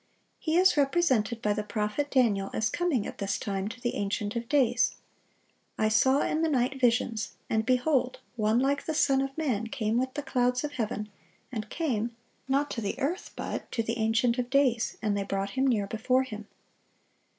He is represented by the prophet Daniel as coming at this time to the Ancient of days: "I saw in the night visions, and, behold, one like the Son of man came with the clouds of heaven, and came"—not to the earth, but—"to the Ancient of days, and they brought Him near before Him."